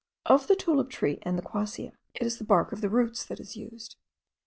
Of the tulip tree and the quassia, it is the bark of the roots that is used.